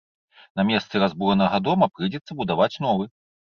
На месцы разбуранага дома прыйдзецца будаваць новы.